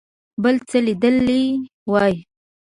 بل څه لیدلي وای.